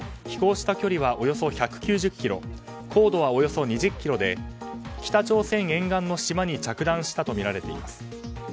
飛行した距離はおよそ１９０ｋｍ高度はおよそ２０ｋｍで北朝鮮沿岸の島に着弾したとみられています。